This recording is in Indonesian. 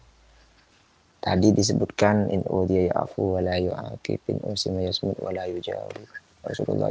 hai tadi disebutkan inudia ya aku walaiwa alkitin usin mayasmud walau jauh rasulullah